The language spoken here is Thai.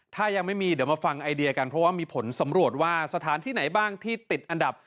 ถ้ายังไม่มีเดี๋ยวมาฟังไอเดียกันเพราะว่ามีผลสำรวจว่าสถานที่ไหนบ้างที่ติดอันดับ